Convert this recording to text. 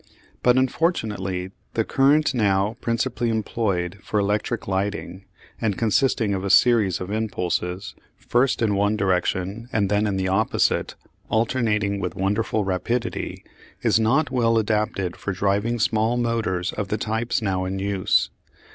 But, unfortunately, the current now principally employed for electric lighting and consisting of a series of impulses, first in one direction and then in the opposite, "alternating" with wonderful rapidity, is not well adapted for driving small motors of the types now in use.